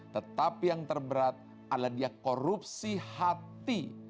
tetapi yang terberat adalah dia korupsi hati